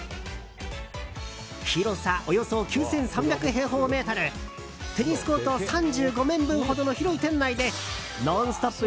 広さおよそ９３００平方メートルテニスコート３５面分ほどの広い店内で「ノンストップ！」